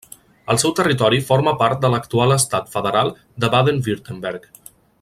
El seu territori forma part de l'actual estat federal de Baden-Württemberg.